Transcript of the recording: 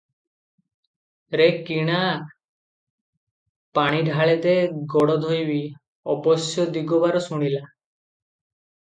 ରେ କିଣା, ପାଣି ଢାଳେ ଦେ ଗୋଡ଼ ଧୋଇବି ।' ଅବଶ୍ୟ ଦିଗବାର ଶୁଣିଲା ।